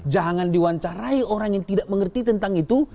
jangan diwawancarai orang yang tidak mengerti tentang itu